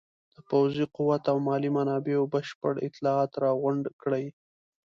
د پوځي قوت او مالي منابعو بشپړ اطلاعات راغونډ کړي.